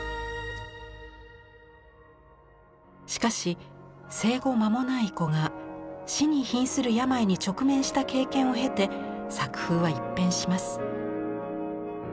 しかし生後間もない子が死にひんする病に直面した経験を経て作風は一変します。